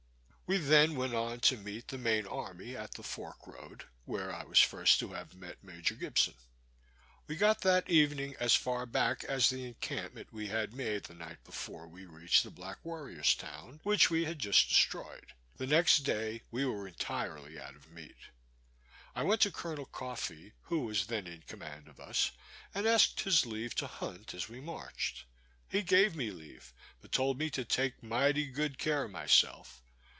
We then went on to meet the main army at the fork road, where I was first to have met Major Gibson. We got that evening as far back as the encampment we had made the night before we reached the Black Warrior's town, which we had just destroyed. The next day we were entirely out of meat. I went to Col. Coffee, who was then in command of us, and asked his leave to hunt as we marched. He gave me leave, but told me to take mighty good care of myself.